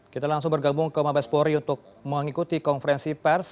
kita langsung bergabung ke mabespori untuk mengikuti konferensi pers